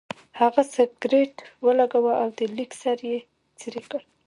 هغه سګرټ ولګاوه او د لیک سر یې څېرې کړ.